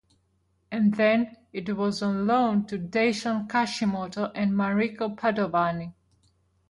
And then, it was on loan to Daishin Kashimoto and Manrico Padovani.